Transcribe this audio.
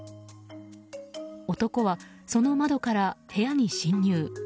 男はその窓から部屋に侵入。